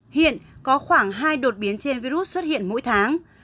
hiện có khoảng hai đột biến trên virus xuất hiện mỗi tháng